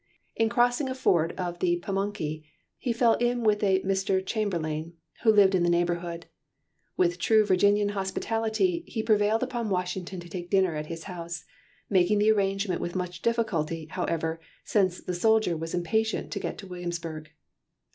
In crossing a ford of the Pamunkey he fell in with a Mr. Chamberlayne, who lived in the neighbourhood. With true Virginian hospitality he prevailed upon Washington to take dinner at his house, making the arrangement with much difficulty, however, since the soldier was impatient to get to Williamsburg.